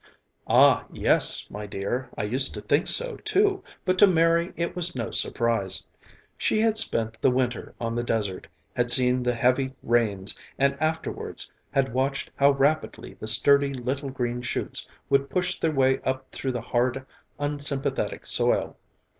Ah, yes, my dear, I used to think so, too, but to Mary it was no surprise. She had spent the winter on the desert, had seen the heavy rains, and afterwards had watched how rapidly the sturdy little green shoots would push their way up through the hard unsympathetic soil.